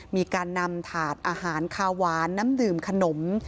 มีการนำถาดอาหารคาหวานน้ำดื่มขนม